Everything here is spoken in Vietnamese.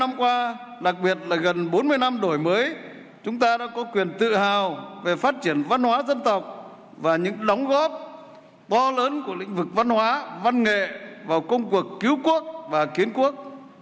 bảy mươi năm qua đặc biệt là gần bốn mươi năm đổi mới chúng ta đã có quyền tự hào về phát triển văn hóa dân tộc và những đóng góp to lớn của lĩnh vực văn hóa văn nghệ vào công cuộc cứu quốc và kiến quốc